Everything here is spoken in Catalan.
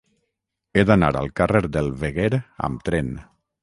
He d'anar al carrer del Veguer amb tren.